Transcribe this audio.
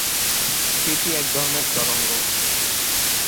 এটি এক ধরনের তরঙ্গ।